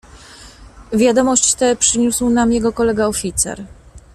"Wiadomość tę przyniósł nam jego kolega, oficer."